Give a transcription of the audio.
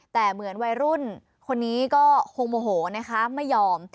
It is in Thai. แต่เหมือนวัยรุ่นคนนี้ก็คงโมโหนะคะไม่ยอม